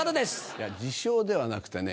いや自称ではなくてね